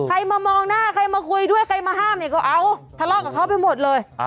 ใครมามองหน้าใครมาคุยด้วยใครมาห้ามเนี่ยก็เอาทะเลาะกับเขาไปหมดเลย